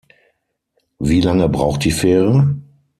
Wie lange braucht die Fähre?